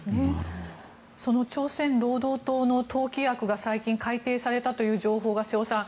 その朝鮮労働党の党規約が最近、改定されたという情報が瀬尾さん